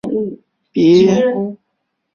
李家道是三国时期兴起的一个道教派别。